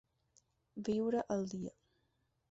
Viure al dia.